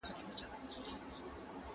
اسلام د یووالي او ورورولۍ پیغام لري.